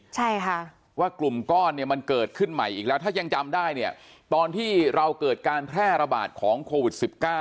ใช่ค่ะว่ากลุ่มก้อนเนี่ยมันเกิดขึ้นใหม่อีกแล้วถ้ายังจำได้เนี่ยตอนที่เราเกิดการแพร่ระบาดของโควิด๑๙